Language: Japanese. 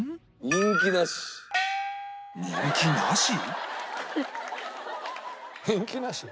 「人気なし」